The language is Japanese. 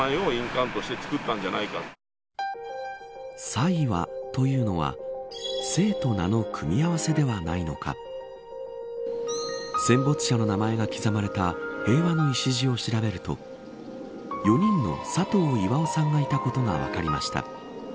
佐岩というのは姓と名の組み合わせではないのか戦没者の名前が刻まれた平和の礎を調べると４人のサトウイワオさんがいたことが分かりました。